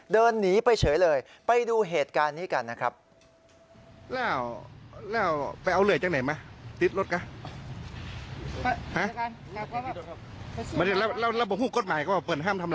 เดินหนีไปเฉยเลยไปดูเหตุการณ์นี้กันนะครับ